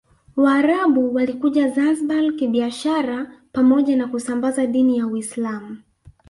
Waarabu walikuja Zanzibar kibiashara pamoja na kusambaza dini ya Uislamu